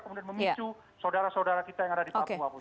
kemudian memicu saudara saudara kita yang ada di papua